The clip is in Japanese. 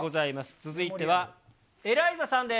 続いてはエライザさんです。